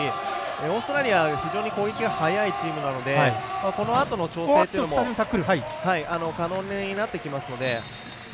オーストラリア、非常に攻撃が速いチームなのでこのあとの調整というのも可能になってきますので。